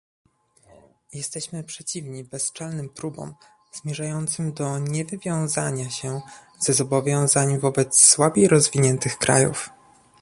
Jesteśmy przeciwni bezczelnym próbom, zmierzającym do niewywiązania się ze zobowiązań wobec słabiej rozwiniętych krajów